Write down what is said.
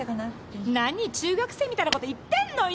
何中学生みたいなこと言ってんのよ